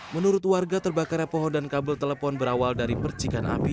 menurut warga terbakarnya pohon dan kabel telepon berawal dari percikan api